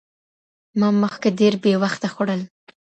ما مخکې ډېر بې وخته خوړل.